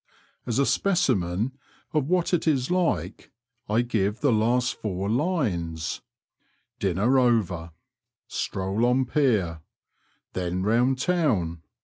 As a specimen of what it is like I give the last four lines :—Dinner over — stroll on Pier — then round town—